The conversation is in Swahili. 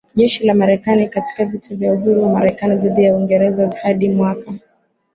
jeshi la Marekani katika vita ya uhuru wa Marekani dhidi ya Uingereza hadi mwaka